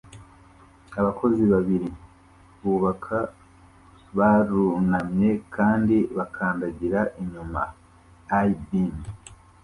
Abakozi babiri bubaka barunamye kandi bakandagira icyuma I-beam